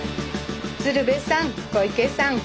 鶴瓶さん小池さん